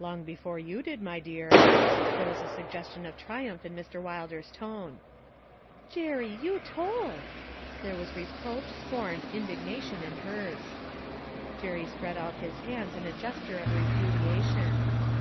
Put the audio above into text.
'Long before you did, my dear.' There was a suggestion of triumph in Mr. Wilder's tone. 'Jerry, you told.' There was reproach, scorn, indignation in hers. Jerry spread out his hands in a gesture of repudiation.